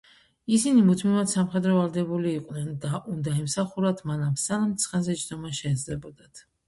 ისინი მუდმივად სამხედრო ვალდებული იყვნენ და უნდა ემსახურათ მანამ, სანამ ცხენზე ჯდომა შეეძლებოდათ.